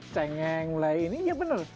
cengeng mulai ini ya bener